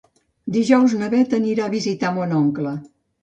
Dijous na Bet anirà a visitar mon oncle.